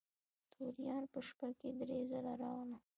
توریان په شپه کې درې ځله راغلل.